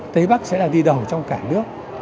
tây bắc sẽ là đi đầu trong cả nước